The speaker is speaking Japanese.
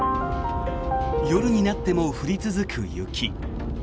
夜になっても降り続く雪。